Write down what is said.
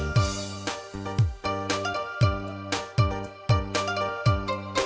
một người tổ chức